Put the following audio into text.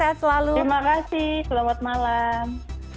terima kasih selamat malam